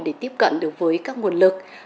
để tiếp cận được với các nguồn lực